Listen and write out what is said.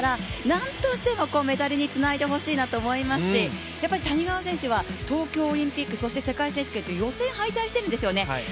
なんとしてもメダルにつないでほしいなと思いますし、やっぱり谷川選手は東京オリンピックそして世界選手権と予選敗退しているんですよね。